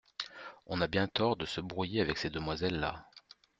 On a bien tort de se brouiller avec ces demoiselles-là…